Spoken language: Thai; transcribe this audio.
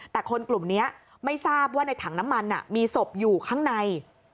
แต่คนกลุ่มนี้ไม่ทราบว่าในถังน้ำมันมีศพอยู่ข้างใน